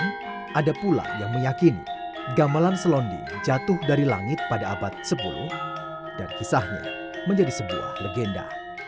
namun ada pula yang meyakini gamelan selonding jatuh dari langit pada abad sepuluh dan kisahnya menjadi sebuah legenda